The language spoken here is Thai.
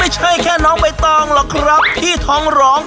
ไม่ใช่แค่น้องใบตองหรอกครับที่ท้องร้อง